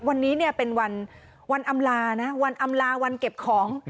วันนี้เนี่ยเป็นวันอำลานะวันอำลาวันเก็บของ